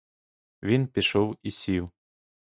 Він пішов і сів.